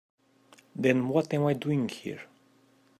Then what am I doing here?